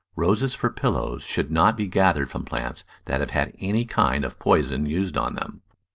Roses for pillows should not be gathered from plants that have had any kind of poison used on them.